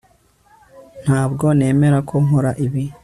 Ntabwo nemera ko nkora ibi